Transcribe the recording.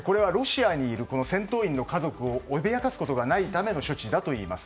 これはロシアにいる戦闘員の家族を脅かすことがないための処置だといいます。